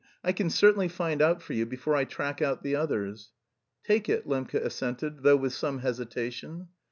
I can certainly find out for you before I track out the others." "Take it," Lembke assented, though with some hesitation.